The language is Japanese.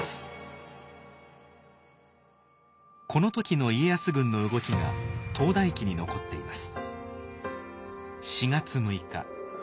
この時の家康軍の動きが「当代記」に残っています。